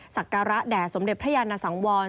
ศักระแด่สมเด็จพระยานสังวร